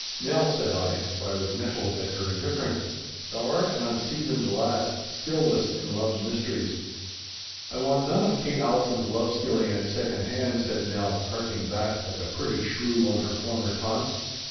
'Nell,' said I (for I was nettled at her indifference), 'thou art an unseasoned lass, skilless in love's mysteries.' 'I want none of Kate Allison's love skilling at second hand,' said Nell, harking back like a pretty shrew on her former taunts.